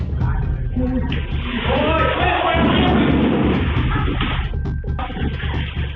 สวัสดีครับวันนี้เราจะกลับมาเมื่อไหร่